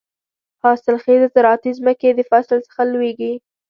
حاصل خېزه زراعتي ځمکې د فصل څخه لوېږي.